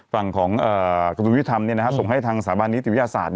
ฝั่งของกระทุนวิทยธรรมนี่นะฮะส่งให้ทางสถาบันธิวิทยาศาสตร์